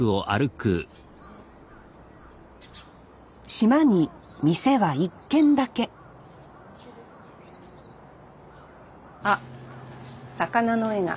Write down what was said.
島に店は一軒だけあ魚の絵が。